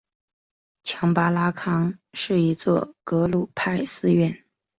强巴拉康是一座格鲁派寺院。